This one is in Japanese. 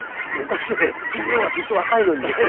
おかしいね君の方がずっと若いのにね。